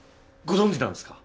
ご存じなんですか？